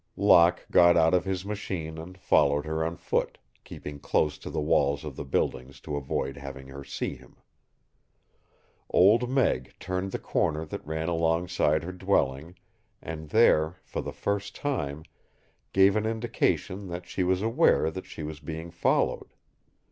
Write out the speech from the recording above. Locke got out of his machine and followed her on foot, keeping close to the walls of the buildings to avoid having her see him. Old Meg turned the corner that ran alongside her dwelling, and there, for the first time, gave an indication that she was aware that she was being followed.